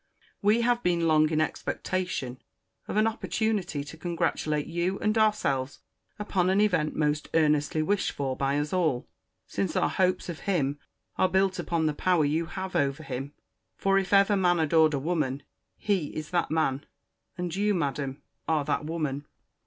We have been long in expectation of an opportunity to congratulate you and ourselves upon an event most earnestly wished for by us all; since our hopes of him are built upon the power you have over him: for if ever man adored a woman, he is that man, and you, Madam, are that woman.